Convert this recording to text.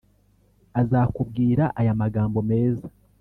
Azakubwir’ aya magambo meza